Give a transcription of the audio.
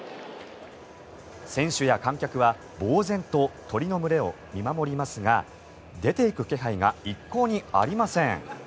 選手や観客は、ぼうぜんと鳥の群れを見守りますが出ていく気配が一向にありません。